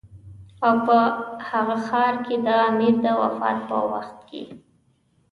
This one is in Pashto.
او په هغه ښار کې د امیر د وفات په وخت کې.